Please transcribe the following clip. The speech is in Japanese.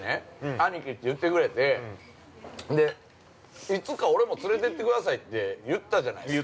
アニキって言ってくれていつか俺も連れてってくださいって言ったじゃないすか。